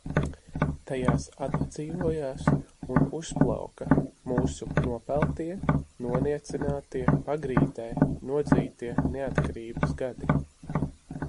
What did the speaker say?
Tajās atdzīvojās un uzplauka mūsu nopeltie, noniecinātie, pagrīdē nodzītie neatkarības gadi.